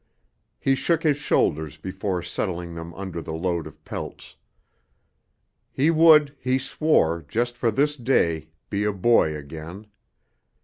He shook his shoulders before settling them under the load of pelts. He would, he swore, just for this day, be a boy again.